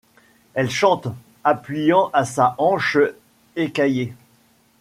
Elle chante, appuyant à sa hanche écaillée